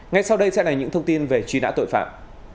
ngay sau đây sẽ là những thông tin về truy nã tội phạm